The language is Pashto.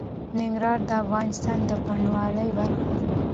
ننګرهار د افغانستان د بڼوالۍ برخه ده.